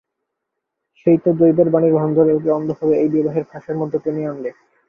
সেই তো দৈবের বাণীর ভান করে ওকে অন্ধভাবে এই বিবাহের ফাঁসের মধ্যে টেনে আনলে।